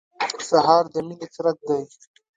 سهار د مینې څرک دی.